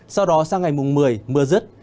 sau đó sang ngày mùng một mươi mưa rứt